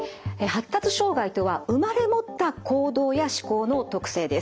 発達障害とは生まれ持った行動や思考の特性です。